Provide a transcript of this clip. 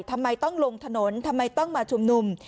ทำไมต้องลงถนนทำไมต้องมาชุมนุม